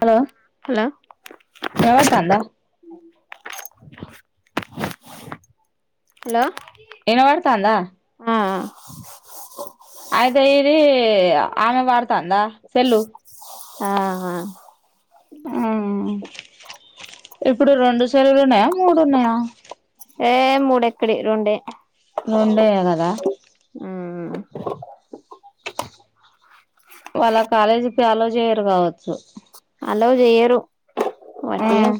Hello hello వినబడతాందా hello వినబడతాందా ఉ అయితే ఇది ఆమె బర్త తాందా సెల్ూ ఆ ఆ ఆ ఇప్పుడు రెండు సెలవులు ఉన్నాయా మూడు ఉన్నాయా ఏ మూడెక్కడి రెండే రెండే కదా ఉ ఇవాళ కాలేజీ కి అలో చేయరు కావచ్చు హలో జయ్యరు మం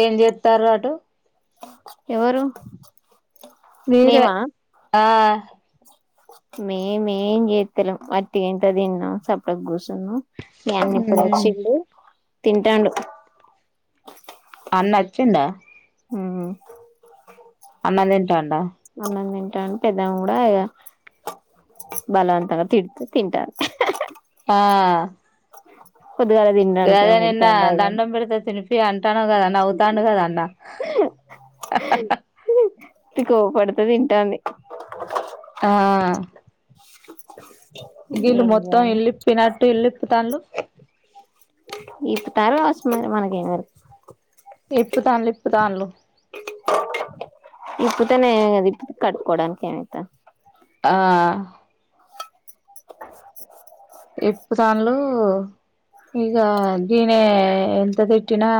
ఏం చేస్తారు అటు ఎవరు మీరే ఆ మే మేం చేతలేం వట్టిగ ఇంట్లో తిన్నం సప్పుడకి గూసున్నం మీ అన్న ఇప్పుడు వచ్చిండు తింటాండు అన్న వచ్చిండా అ అన్నం తిం అంండి [unintelligible] తట్టా పెద్ద కూడా బలవంతంగా తిడుతు తింటాండు ఆ పొద్దుగాల అదేని తినడానికేమో నిన్న దండం తినడానికి పెడితె తినిపి ప్యా అం [unintelligible] ఉంటాను కదం అవుతాండు కద అన్న తకువపడుతుందిింటాంది [unintelligible] ఆ గిలు ఏం మొత్తం చేయాలి ఇల్లిప్పినాటు ఇల్లి తల్లు ఇప్పు తర్వాసమ మనకి ఎం ఇప్పు తాన్లు ఇప్పు తాన్లు ఇప్పుతనే అది కట్టుకోవడానికి అయితన్ ఆ ఇప్పు తనులు ఇక గీనే ఎంత తిట్టినా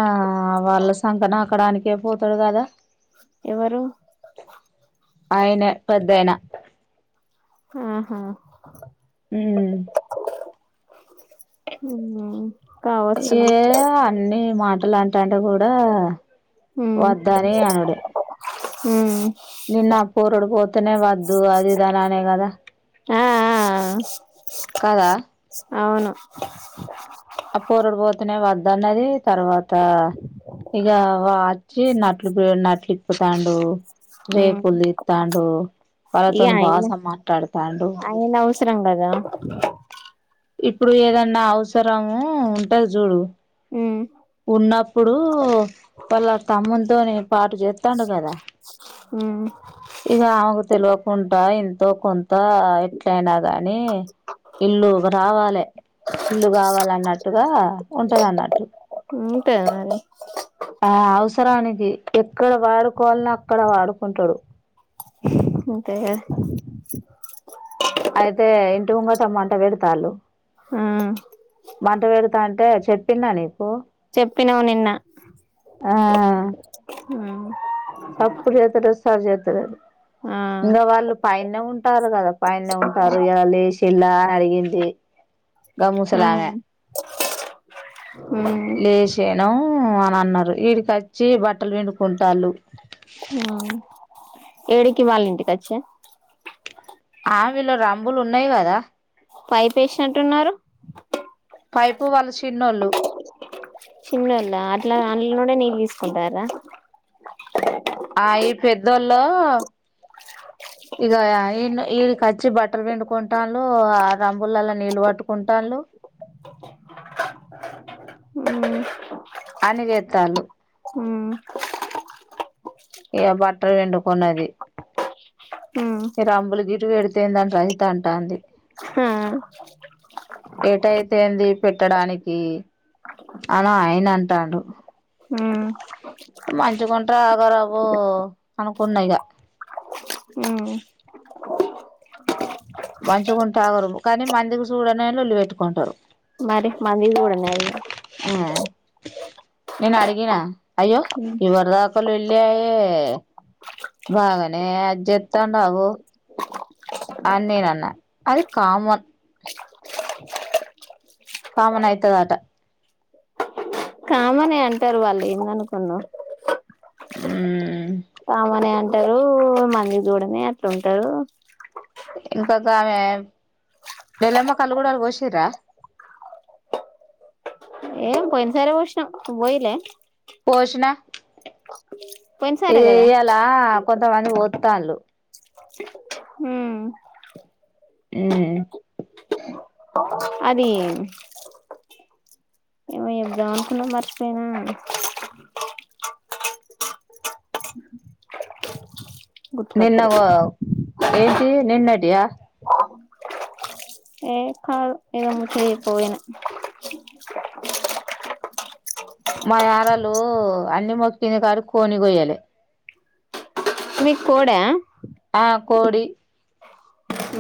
వాళ్ళ సంకన నాకాడానికే పోతాడు కదా ఎవరు ఆయన పెద్దాయన ఆహా ఉమ్ ఉ ఉ ఏ అన్నీ మాటలు అంట అంటే కూడా వద్దనే అనడు హుమ్ నిన్న పొరడు పోతేనే వద్దు అది ఇది అనలే కదా ఆ ఆ ఆ అవును అ పోరడు బోతునే వాద్ దాన్నది తర్వాత ఆ ఇక వచ్చి నట్లు బ నట్లు ఇప్పుతాడు ఉమ్ రేపులు దిస్తాడు ఇగ వాళ్ళతోన ఆయన బాష మాట్లాడుతాడు ఆయన అవసరం కదా ఇప్పుడు ఏదన్నా అవసరము ఉంటది చూడు ఉమ్ ఉన్నప్పుడు వాళ్ళ తమ్ముతోనే పాటు చేస్తాడు కదా ఉమ్ ఇక ఆమెకు తెలియకుండా ఇంత ఎంతోకొంతా ఎట్లైన కానీ ఇల్లు రావాలే ఇల్లు కావాలన్నట్టుగా ఉంటది అన్నట్టు తేలని ఆ అవసరానికి ఎక్కడ వాడుకోవాల అక్కడ వాడుకుంటాడు అంతేగా అయితే ఇంటి ముంగట టమాట వెడతాలు ఆ మంటవేడుతంటే చెప్పిన్న నీ కు చెప్పినవు నిన్న ఆ హు సప్పుడు జేత్తలేవ్ సరి జే త్తలేర్ ఆ ఇంగ వాళ్ళు పైన్నే ఉంటారు కదా పైన్నే ఉంటారు ఇగ లేసి ఇళ్ల అడిగింది గ ఆ మూసలమే ఉమ్ లేశేను ఊ అని అన్నారు ఈడికచ్చి బట్టలు పిండుకుంటాల్లు ఆ [unintelligible] ఏడికి వాళ్ళింటికచ్చ ఆ వీళ్ళ రంబులు ఉన్నాయ్ కదా పైపేషినట్టున్నారు పైపు వాళ్ళు చిన్నోళ్ళు చిన్నోళ్ళ అట్లా అల్లనుండే నీల్ తీసుకుంటార్ర ఆ ఈ పెద్దోల్లో ఇగా ఈ ఈడికచ్చి బట్టల్ పిండుకుంటాళ్ళు ఆ రాంబులల్ల నీళ్ళు పట్టుకుంటండ్లు ఊ అన్ని జెత్తాళ్ళు ఇగ బట్టలు పిండుకున్నది ఉమ్ రంబులు గిటు వెడితేందని రహిత అంటాంది ఆ ఏటైతేంది పెట్టడానికి అనో ఆయినంటండు ఉమ్ మంచిగుంటే ఆగరవ్వో అనుకున్నా ఇగ ఉమ్ మంచిగుంటె ఆగరు కాని మందికి చూడనే లొల్లి పెట్టుకుంటరు మరి మందికి చూడనే అది ఇగ ఆ నేను అడిగినా అయ్యో ఇవార్దాక లొల్లే ఆయే బాగనే ఆజ్జేతండవ్వో అన్నేనన్న అది కామన్ కామన్ అయితదట టనే అంటారు వాళ్ళుఎందనుకున్నావ్ ఉమ్మ్ కామనే అంటరూ మంది చూడనే అటుంటరు ఇంకొక ఆమె నెలమ్మ కాళ్ళు గుడాలు పోసిన్రా ఏం పోయినసారే వోష్ణం నువ్ బోయలే పోషణ ఏ పోయినసారే కదా ఇయ్యాల కొంత మంది పో తాండ్లు మ్ మ్ అది ఏమో చెప్ద్దాం అనుకున్నా మర్చిపోయినా నిన్న వ గుర్తుకొత్తలేదు ఏంటియి నిన్నటియా ఏ కాదు ఏదో ముచ్చట చెప్పపోయినా మా యారాలు అన్ని మొక్కింది కాని కోన్ని కొయాలే మీక్ కోడా అ కోడి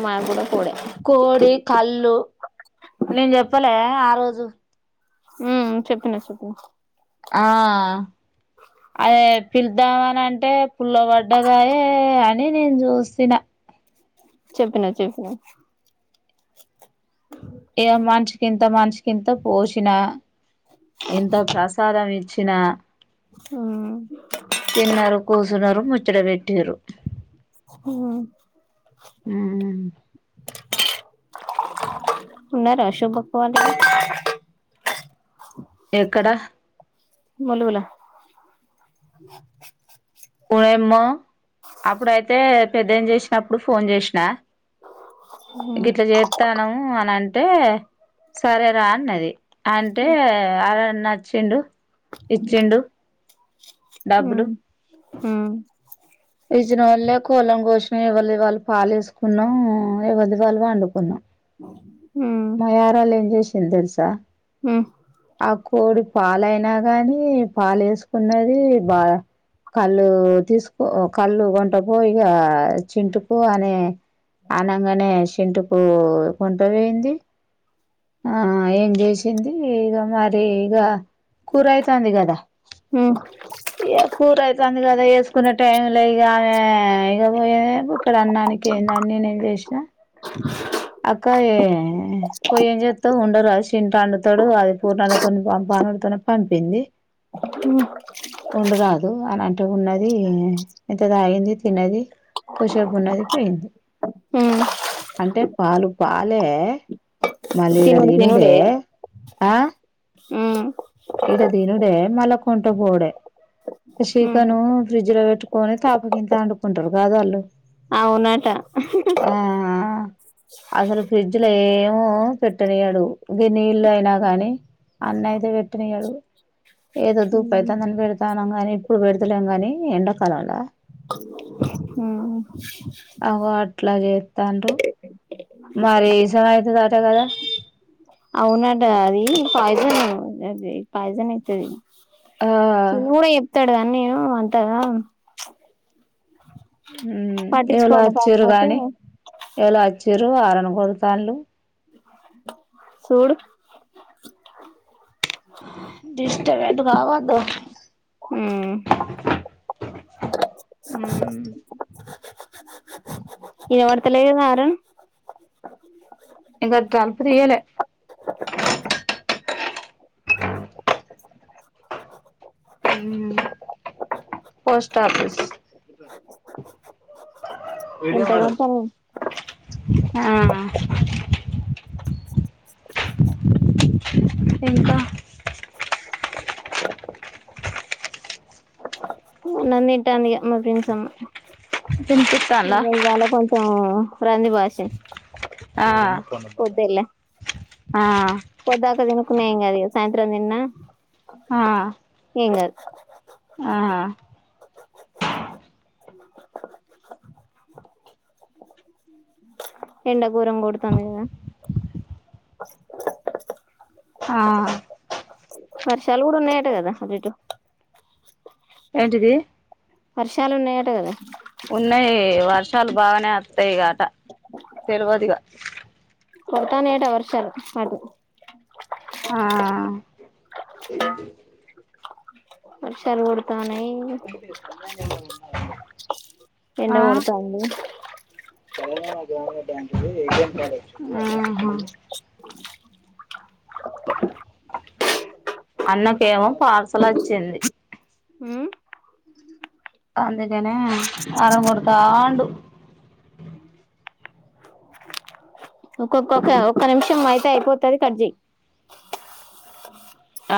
మాకు కూడా కోడే కోడి కళ్ళు నేను చెప్పలే ఆ రోజు మ్మ్ చెప్పినవ్ చెప్పినవ్ ఆ అదే పిల్దామని అంటే పుల్ల పడ్డదాయె అని నేను చూసిన చెప్పిన చెప్పిన ఇగ మనిషికింత మనిషికింత పోషినా ఇంత ప్రసాదం ఇచ్చిన ఉమ్ తిన్నారు కూసున్నారు ముచ్చట పెట్టిరు మ్ అవన్ ఉన్నారా శోభ అక్క వాళ్లు ఎక్కడ వాళ్ల వాల ఓయమ్మె అప్పుడైతే పెద్దయ్య ను చేసినప్పుడు ఫోన్ చేసిన గిట్లా చేత్తానం అని అంటే సరేరా అన్నది అంటే వాళ్ల అన్న వొచ్చిండు ఇచ్చిండు అవును [inaudible] పిలిచినొళ్ళె కోలం కోసినం ఎవలది వాళ్ళు పాలేసుకున్నాం ఎవలది వాళ్లు వండుకున్నాం ఉమ్ మా యారాలు ఏం చేసింది తెలుసా హ్మ్ ఆ కోడి పాలయినా గాని పాలు వేసుకున్నది బా కల్లు తీసుకో కల్లు వంటపో ఇగ చింటుకు అనే అనంగానే చింటుకు కొంట పోయింది ఆ ఏం చేసింది ఇగ మరి ఇగ కూర అయితాంది కదా హ్మ్ ఇగ కూర అయితాంది కదా ఏసుకున్న టైం లో ఇక ఆమె ఇక పోయే ఇక్కడు అన్నానికి ఏంది అన్ని నినే చేసినా అక్క పోయి ఏం చేస్తావు ఉండరాదు చింటు అండుతాడు అది పూర్ణాలతో పంపానుడుతోనే పంపింది ఉమ్ ఉండురాదు అని అంటే ఉన్నది ఇంత తాగింది తిన్నది కొషెపు ఉన్నది పోయింది ఉమ్ అంటే పాలు పాలే తినుడు తినుడే అ మ్మ్ ఇడ తినుడే మల్ల కొంట పోవుడే సికను ఫ్రిజ్ లో పెట్ట్ ట్టుకొని తాపుకింత అండుకుంటారు కద వాళ్లు అవునట అసలు ఫ్రిడ్జ్ లో ఏమో పెట్టనియడు గి నీళ్లు అయినా కానీ అన్న అయితే పె పెట్టనియ్యాడు ఏదో దుపయి [unintelligible] తందని పెడతానం కాని ఇప్పుడు పెడతలేం కాని ఎండాకాల లా ఉ హ ఓ అట్లా చేత్తండరు మరి ఇసం ఐతదంటా కదా అవునటా అది పాయిజన్ అది పాయిజన్ అయితాది ఆ చిన్న కూడా చెప్తాడు అని వుంటావ హ ఏవాళ పట్టించుకోను వచ్చింరు కాకపోతే గాని ఏళ వచ్చింరు అల దొరసానులు సూడు దొ రేపటి నుంచి రావద్దు ఉమ్ ఉ ఎవనీ పేలి ఈ వారం ఇంకా తలుపు తీయలే ఉ పోస్ట్ ఆఫిస్ ఏడియా ఎంత మచ్చ గంటని ఆ ఇంకా నను టాందిగం మా ఫ్రెండ్స్ అమ్మ ఇ వినిపిత్తాందా ఇవాళ కొంచెం ప్రంది భాషన్ ఆ పొద్దాక తినుకున్న ఏం కాదు ఈగ సాయ త్రం తిన్న ఆ ఏం గాదు ఆ ఎండ గోరం కొడతాంది కదా ఆ వర్షాలు కూడా ఉన్నాయట కదా అటుఇటు ఏంటిది వర్షాలు ఉన్నాయట కదా ఉన్నాయి వార్ష చాలా బాగానే వత్తాయి గట తెలియదిగా కురుతనైయట్ట వర్షాలు అటు ఆ వర్షారులు కోడు తానై ఎండ కొడతంది తెలంగాణకి [unintelligible] ఆహా అన్నాకేమో పార్సల్ వచ్చింది హు అంతకనే అర కొడతాండూ ఒక్కొక్కొక్క ఒక్క ఒక నిమిషం అయితే అయిపోతది కట్ చెయ్.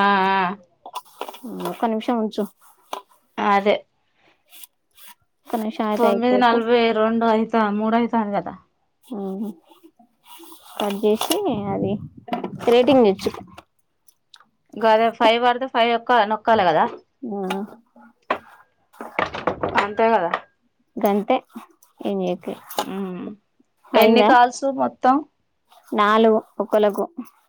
ఆ ఆ ఒక్క నిమిషం ఉంచు అదే ఒక్క నిమిషం అయితే తొమ్మిది అయిపోతే నలభై రెండు అయితు త మూడై తంది కదా హు కట్ చేసి అది రేటింగ్ ఇచ్చు గదే ఫైవ్ వాడుతే ఫైవ్ ఒక్క నొక్కాలే కదా ఆ అంతే కదా గంతే ఏం చేతు ఉమ్ ఎన్ని అయిందా కాల్సు మొత్తం నాలుగు ఒకలకు